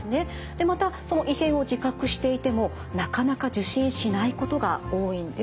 でまたその異変を自覚していてもなかなか受診しないことが多いんです。